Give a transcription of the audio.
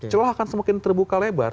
celah akan semakin terbuka lebar